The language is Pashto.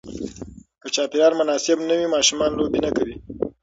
که چاپېریال مناسب نه وي، ماشومان لوبې نه کوي.